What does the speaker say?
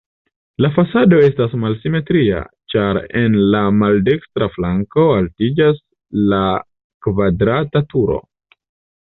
La fasado estas malsimetria, ĉar en la maldekstra flanko altiĝas la kvadrata turo.